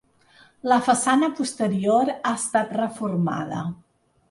La façana posterior ha estat reformada.